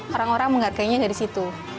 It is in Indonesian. orang orang menghargainya dari situ